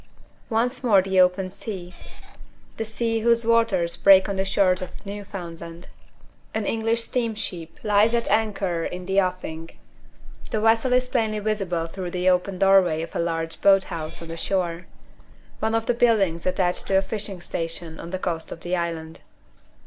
Once more the open sea the sea whose waters break on the shores of Newfoundland! An English steamship lies at anchor in the offing. The vessel is plainly visible through the open doorway of a large boat house on the shore one of the buildings attached to a fishing station on the coast of the island.